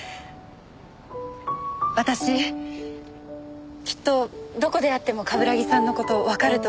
私きっとどこで会っても冠城さんの事わかると思います。